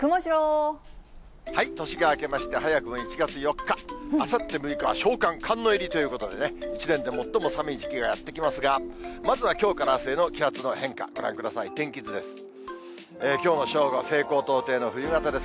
年が明けまして、早くも１月４日、あさって６日は小寒、寒の入りということで、１年で最も寒い時期がやって来ますが、まずはきょうからあすへの気圧の変化、ご覧ください、天気図です。